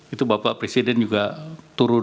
itu bapak presiden juga turun